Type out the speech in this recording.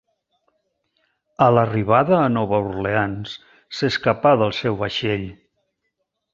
A l'arribada a Nova Orleans, s'escapà del seu vaixell.